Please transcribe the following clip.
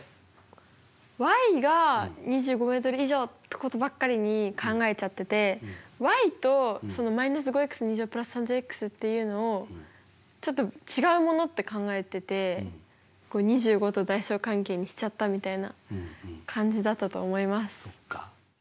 が２５ｍ以上ってことばっかりに考えちゃっててちょっと違うものって考えててこれ２５と大小関係にしちゃったみたいな感じだったと思います。